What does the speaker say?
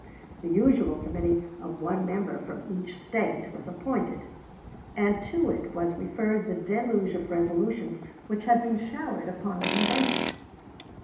The usual committee of one member from each State was appointed, and to it was referred the deluge of resolutions which had been showered upon the convention.